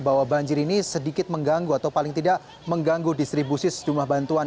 bahwa banjir ini sedikit mengganggu atau paling tidak mengganggu distribusi sejumlah bantuan